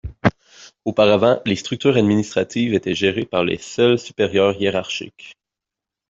Auparavant, les structures administratives étaient gérées par les seuls supérieurs hiérarchiques.